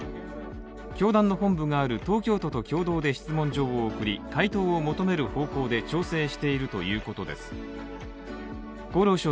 教団の本部がある東京都と共同で質問状を送り、調整しているということです。